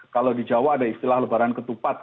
kalau di jawa ada istilah lebaran ketupat